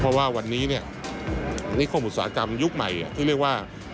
เพราะว่าวันนี้นิคมอุตสาหกรรมยุคใหม่ที่เรียกว่า